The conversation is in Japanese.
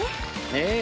ええ。